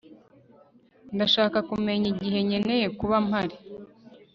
Ndashaka kumenya igihe nkeneye kuba mpari